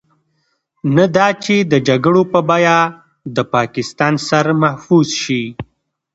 نه دا چې د جګړو په بيه د پاکستان سر محفوظ شي.